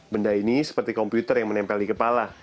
benda ini seperti komputer yang menempel di kepala